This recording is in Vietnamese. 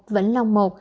vĩnh long một